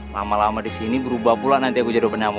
lama lama disini berubah pula nanti aku jadi penyamu